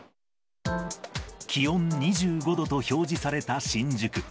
気温２５度と表示された新宿。